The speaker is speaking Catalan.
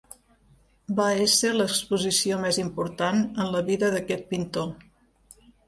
Va ésser l'exposició més important en la vida d'aquest pintor.